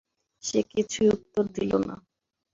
সে কিছুই উত্তর দিল না।